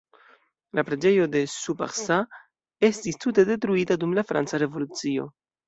La preĝejo de Sous-Parsat estis tute detruita dum la franca revolucio.